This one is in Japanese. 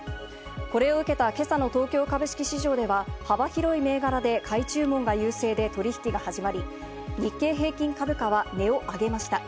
これを受けた今朝の東京株式市場では幅広い銘柄で買い注文が優勢で取引が始まり、日経平均株価は値を上げました。